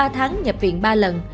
ba tháng nhập viện ba lần